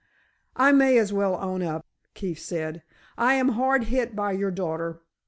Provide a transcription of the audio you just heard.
"I may as well own up," Keefe said, "I am hard hit by your daughter.